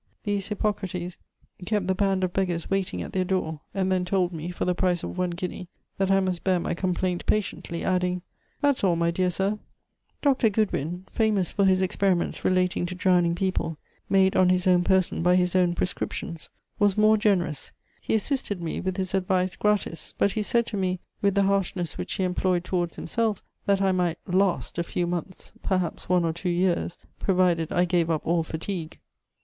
These Hippocrates kept the band of beggars waiting at their door, and then told me, for the price of one guinea, that I must bear my complaint patiently, adding: "That's all, my dear sir." Dr. Goodwyn, famous for his experiments relating to drowning people, made on his own person by his own prescriptions, was more generous: he assisted me with his advice gratis; but he said to me, with the harshness which he employed towards himself, that I might "last" a few months, perhaps one or two years, provided I gave up all fatigue.